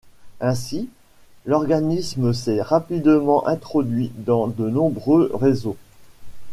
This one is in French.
Ainsi, l’organisme s’est rapidement introduit dans de nombreux réseaux.